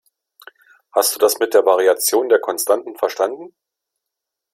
Hast du das mit der Variation der Konstanten verstanden?